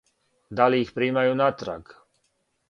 Да ли их примају натраг?